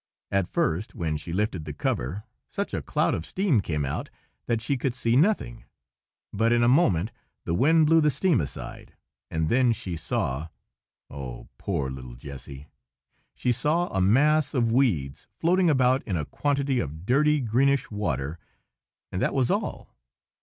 At first, when she lifted the cover, such a cloud of steam came out that she could see nothing; but in a moment the wind blew the steam aside, and then she saw,—oh, poor little Jessy!—she saw a mass of weeds floating about in a quantity of dirty, greenish water, and that was all.